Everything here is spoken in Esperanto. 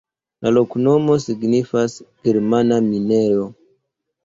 La loknomo signifas: germana-minejo.